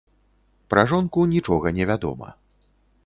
Пра жонку нічога не вядома.